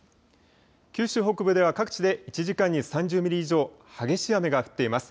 九州北部では各地で１時間に３０ミリ以上激しい雨が降っています。